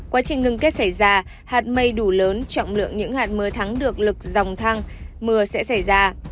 quá trình ngừng kết xảy ra hạt mây đủ lớn trọng lượng những hạt mới thắng được lực dòng thăng mưa sẽ xảy ra